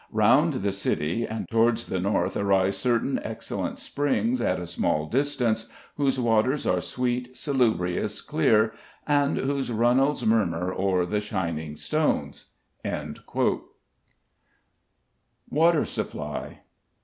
"Round the city and towards the north arise certain excellent springs at a small distance, whose waters are sweet, salubrious, clear," and "Whose runnels murmur o'er the shining stones." WATER SUPPLY.